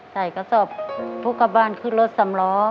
ใส่กระสอบทุกกลับบ้านคือรถสำล้อ